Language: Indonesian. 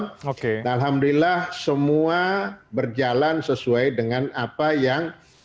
dan alhamdulillah semua berjalan sesuai dengan apa yang mereka sudah pernah